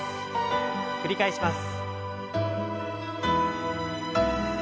繰り返します。